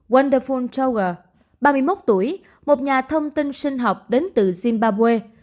wonderful chogar ba mươi một tuổi một nhà thông tin sinh học đến từ zimbabwe